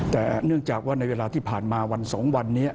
แต่เนื่องจากว่าในเวลาที่ผ่านมาวัน๒วันนี้